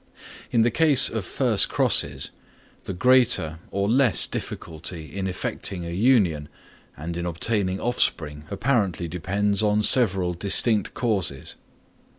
In the case of first crosses, the greater or less difficulty in effecting a union and in obtaining offspring apparently depends on several distinct causes.